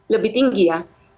lebih tinggi ya